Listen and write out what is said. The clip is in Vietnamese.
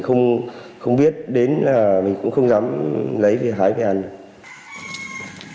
những cái thức ăn nào mà mình không biết đến là mình cũng không dám lấy hãi về ăn được